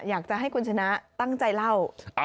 อยากจะให้คุณชนะตั้งใจเล่า